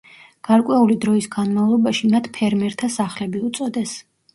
გარკვეული დროის განმავლობაში მათ „ფერმერთა სახლები“ უწოდეს.